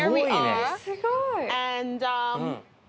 すごいね。